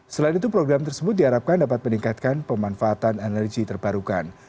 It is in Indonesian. selain itu program tersebut diharapkan dapat meningkatkan pemanfaatan energi terbarukan